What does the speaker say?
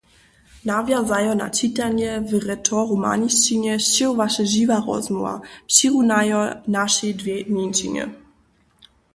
Nawjazajo na čitanje w retoromanšćinje sćěhowaše žiwa rozmołwa, přirunajo našej dwě mjeńšinje.